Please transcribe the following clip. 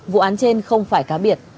vụ án trên không phải cá biệt